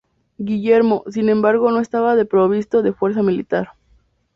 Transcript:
Guillermo, sin embargo, no estaba desprovisto de fuerza militar.